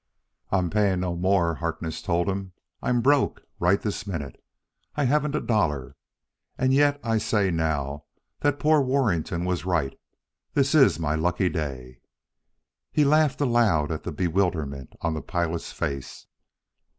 "I'm paying no more," Harkness told him. "I'm broke, right this minute. I haven't a dollar and yet I say now that poor Warrington was right: this is my lucky day." He laughed aloud at the bewilderment on the pilot's face.